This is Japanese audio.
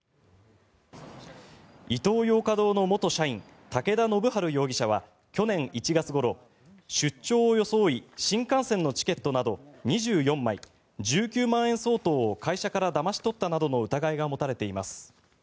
イトーヨーカ堂の元社員武田信晴容疑者は去年１月ごろ出張を装い新幹線のチケットなど２４枚、１９万円相当を会社からだまし取ったなどの疑いが持たれています。